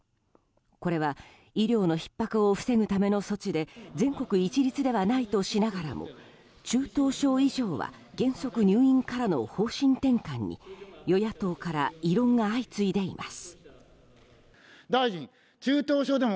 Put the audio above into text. これは医療のひっ迫を防ぐための措置で全国一律ではないとしながらも中等症以上は原則入院からの方針転換に与野党から異論が相次いでいます。